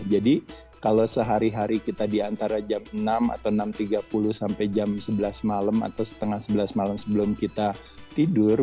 jadi kalau sehari hari kita di antara jam enam atau enam tiga puluh sampai jam sebelas malam atau setengah sebelas malam sebelum kita tidur